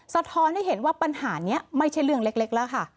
สะท้อนให้เห็นว่าปัญหานี้ไม่ใช่เรื่องเล็กแล้วค่ะ